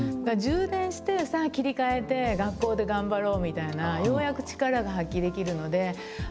充電してさあ切り替えて学校で頑張ろうみたいなようやく力が発揮できるので。